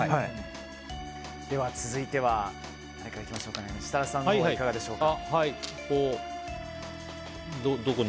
では、続いては設楽さんはいかがでしょうか。